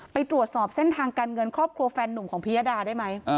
ไปตรวจสอบเส้นทางการเงินครอบครัวแฟนนุ่มของพิยดาได้ไหม